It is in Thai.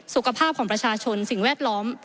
สุขภาพของประชาชนสิ่งแวดล้อม